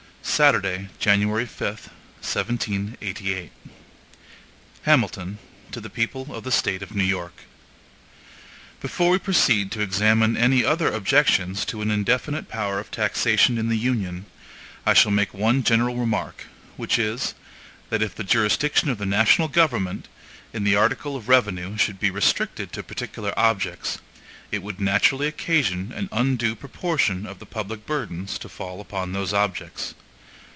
Saturday, January 5, 1788 HAMILTON To the People of the State of New York: BEFORE we proceed to examine any other objections to an indefinite power of taxation in the Union, I shall make one general remark; which is, that if the jurisdiction of the national government, in the article of revenue, should be restricted to particular objects, it would naturally occasion an undue proportion of the public burdens to fall upon those objects.